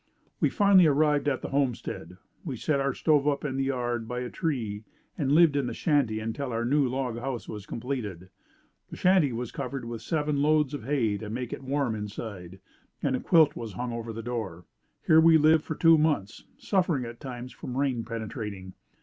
We finally arrived at the homestead. We set our stove up in the yard by a tree and lived in the shanty until our new log house was completed. The shanty was covered with seven loads of hay to make it warm inside and a quilt was hung over the door. Here we lived for two months, suffering at times from rain penetrating.